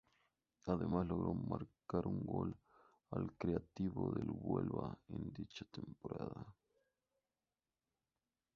Además, logró marcar un gol al Recreativo de Huelva en dicha temporada.